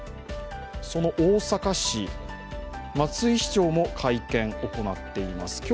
その大阪市、松井市長も会見を行っています。